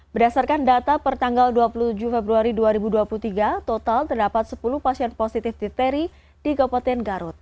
berdasarkan data per tanggal dua puluh tujuh februari dua ribu dua puluh tiga total terdapat sepuluh pasien positif difteri di kabupaten garut